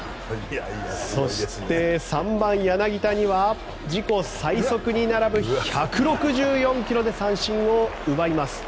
そして、３番、柳田には自己最速に並ぶ１６４ｋｍで三振を奪います。